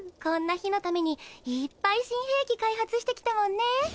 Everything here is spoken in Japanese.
こんな日のためにいっぱい新兵器開発してきたもんね！